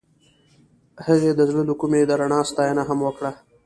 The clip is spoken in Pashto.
هغې د زړه له کومې د رڼا ستاینه هم وکړه.